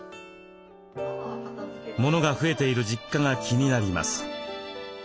物が増えている実家が気になります。